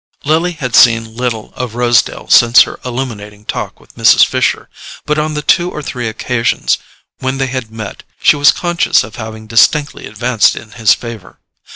Lily had seen little of Rosedale since her illuminating talk with Mrs. Fisher, but on the two or three occasions when they had met she was conscious of having distinctly advanced in his favour.